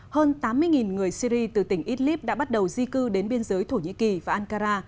hơn tám mươi người syri từ tỉnh idlib đã bắt đầu di cư đến biên giới thổ nhĩ kỳ và ankara